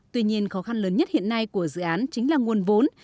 tuy nhiên khó khăn lớn nhất hiện nay của dự án chính là nguồn vốn